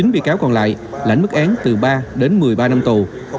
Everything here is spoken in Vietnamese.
chín bị cáo còn lại lãnh mức án từ ba đến một mươi ba năm tù